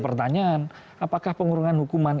pertanyaan apakah pengurangan hukuman